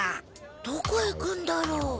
どこ行くんだろう？